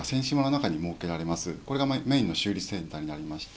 これがメインの修理センターになりまして。